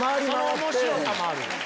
その面白さもある。